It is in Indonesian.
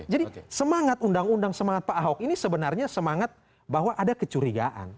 jadi semangat undang undang semangat pak ahok ini sebenarnya semangat bahwa ada kecurigaan